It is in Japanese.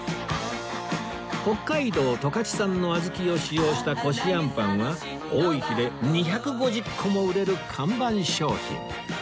北海道十勝産の小豆を使用したこしあんぱんは多い日で２５０個も売れる看板商品